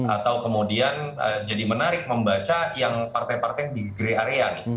atau kemudian jadi menarik membaca yang partai partai di grey area nih